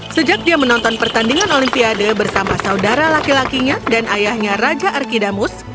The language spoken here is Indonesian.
sejak dia menonton pertandingan olimpiade bersama saudara laki lakinya dan ayahnya raja arkidamus